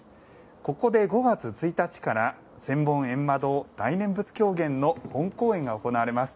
ここで５月１日から「千本ゑんま堂大念佛狂言」の本公演が行われます。